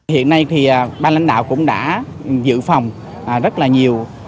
hiện nay thì ban lãnh đạo cũng đã dự phòng rất là nhiều